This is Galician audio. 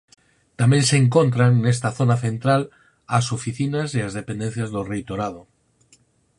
Tamén se encontran nesta zona central as oficinas e as dependencias do reitorado.